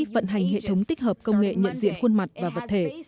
vận hành hệ thống tích hợp công nghệ nhận diện khuôn mặt và vật thể